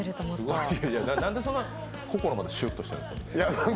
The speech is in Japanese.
何で心までシュッとしてるんですか。